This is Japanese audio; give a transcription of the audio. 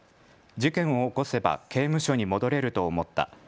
事件を起こせば刑務所に戻れると思った。